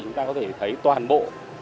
chúng ta có thể thấy toàn bộ